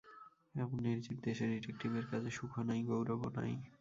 এমন নির্জীব দেশে ডিটেকটিভের কাজে সুখও নাই, গৌরবও নাই।